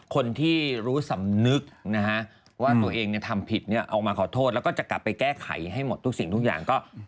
คนที่รู้สำนึกนะฮะว่าตัวเองทำผิดเนี่ยออกมาขอโทษแล้วก็จะกลับไปแก้ไขให้หมดทุกสิ่งทุกอย่างก็